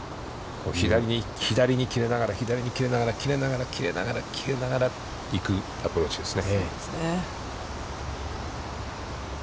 左に切れながら左に切れながら、切れながら、切れながら、切れながら行くアプローチですね。